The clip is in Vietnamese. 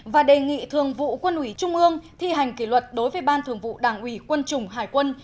và đề nghị thường vụ quân ủy trung ương thi hành kỷ luật đối với ban thường vụ đảng ủy quân chủng hải quân